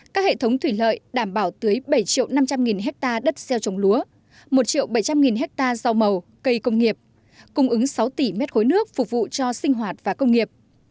các hệ thống thủy lợi đảm bảo tới bảy năm trăm linh hectare đất gieo trồng lúa một bảy trăm linh hectare rau màu cây công nghiệp cung ứng sáu tỷ mét khối nước phục vụ cho sinh hoạt và công nghiệp